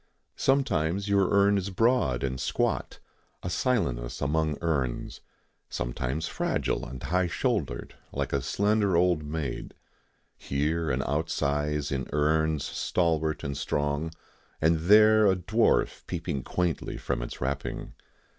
Sometimes your urn is broad and squat, a Silenus among urns; sometimes fragile and high shouldered, like a slender old maid; here an "out size" in urns stalwart and strong, and there a dwarf peeping quaintly from its wrapping.